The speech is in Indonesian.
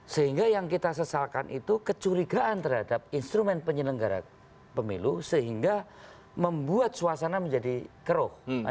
sehingga yang kita sesalkan itu kecurigaan terhadap instrumen penyelenggara pemilu sehingga membuat suasana menjadi keruh